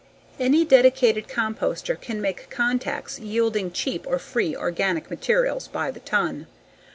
Any dedicated composter can make contacts yielding cheap or free organic materials by the ton.